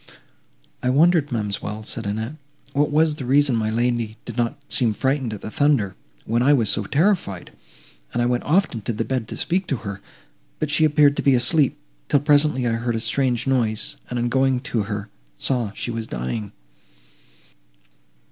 "I wondered, ma'amselle," said Annette, "what was the reason my lady did not seem frightened at the thunder, when I was so terrified, and I went often to the bed to speak to her, but she appeared to be asleep; till presently I heard a strange noise, and, on going to her, saw she was dying."